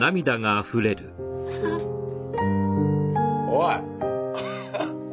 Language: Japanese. おい。